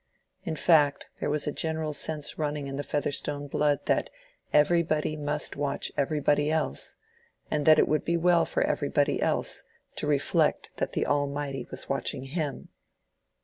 In fact there was a general sense running in the Featherstone blood that everybody must watch everybody else, and that it would be well for everybody else to reflect that the Almighty was watching him.